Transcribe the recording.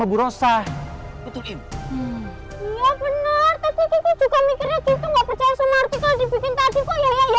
dosa betulin iya bener tapi juga mikirnya gitu nggak percaya semua artikel dibikin tadi